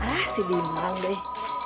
ah si diman deh